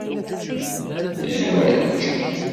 Zwaǧ